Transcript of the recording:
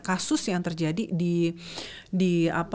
kasus yang terjadi di